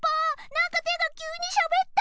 なんかてがきゅうにしゃべった！